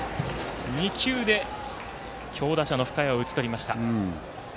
２球で強打者の深谷を打ち取りました。